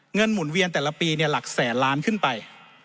เงินหมุนเวียนแต่ละปีเนี่ยหลักแสนล้านขึ้นไป